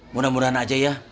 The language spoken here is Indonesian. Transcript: mudah mudahan aja ya